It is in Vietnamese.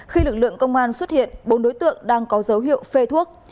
khi lực lượng công an xuất hiện bốn đối tượng đang có dấu hiệu phê thuốc